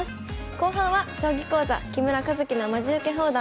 後半は将棋講座「木村一基のまじウケ放談」。